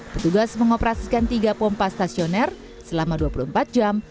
petugas mengoperasikan tiga pompa stasioner selama dua puluh empat jam